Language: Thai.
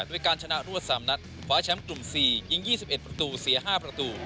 ด้วยการชนะรวด๓นัดคว้าแชมป์กลุ่ม๔ยิง๒๑ประตูเสีย๕ประตู